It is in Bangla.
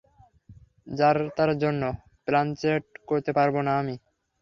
যার-তার জন্য প্লানচেট করতে পারবো না আমি।